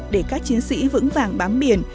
để các chiến sĩ vững vàng bám biển